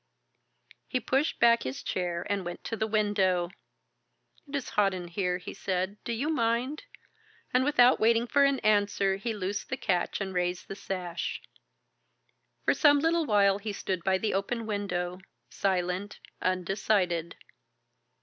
He pushed back his chair and went to the window. "It is hot in here," he said. "Do you mind?" and without waiting for an answer he loosed the catch and raised the sash. For some little while he stood by the open window, silent, undecided.